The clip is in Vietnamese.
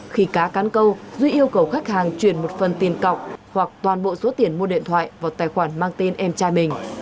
khi cá cán câu duy yêu cầu khách hàng chuyển một phần tiền cọc hoặc toàn bộ số tiền mua điện thoại vào tài khoản mang tên em trai mình